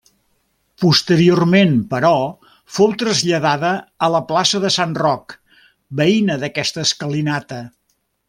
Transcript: Posteriorment però, fou traslladada a la plaça de Sant Roc, veïna d'aquesta escalinata.